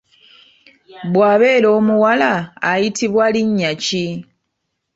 bwabeera omuwala ayitibwa linnya ki?